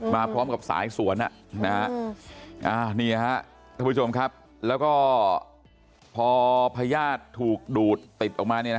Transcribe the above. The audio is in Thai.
มาพร้อมกับสายสวนนี่ฮะท่านผู้ชมครับแล้วก็พอพญาติถูกดูดติดออกมา